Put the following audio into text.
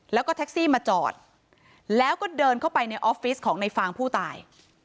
แล้วก็แท็กซี่มาจอดแล้วก็เดินเข้าไปในออฟฟิศของในฟางผู้ตาย